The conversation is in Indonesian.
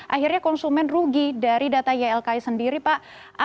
akhirnya konsumen rugi dari data ylki sendiri pak